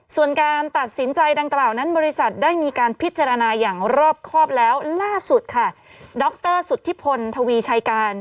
ส่วนการตัดสินใจดังกล่าวนั้นบริษัทได้มีการพิจารณาอย่างรอบครอบแล้วล่าสุดค่ะดรสุธิพลทวีชัยการ